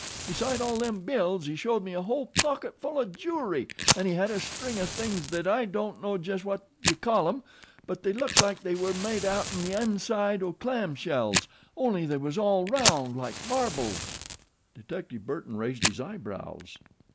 "Beside all them bills he showed me a whole pocket full o' jewlry, 'n' he had a string o' things thet I don't know jest what you call 'em; but they looked like they was made outen the inside o' clam shells only they was all round like marbles." Detective Burton raised his eyebrows.